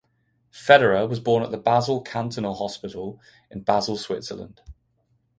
Federer was born at the Basel Cantonal Hospital in Basel, Switzerland.